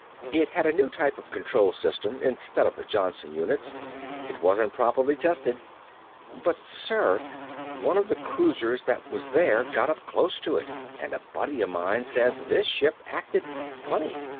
"It had a new type of control system instead of the Johnson units. It wasn't properly tested." "But sir, one of the cruisers that was there got up close to it, and a buddy of mine says this ship acted funny.